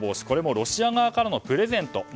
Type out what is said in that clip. これもロシア側からのプレゼント。